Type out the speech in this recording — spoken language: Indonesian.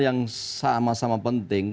yang sama sama penting